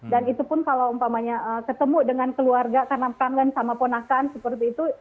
dan itu pun kalau umpamanya ketemu dengan keluarga karena perangkan sama ponakan seperti itu